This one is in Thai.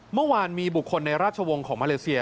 เมื่อวานมีบุคคลในราชวงศ์ของมาเลเซีย